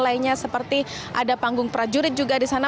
lainnya seperti ada panggung prajurit juga di sana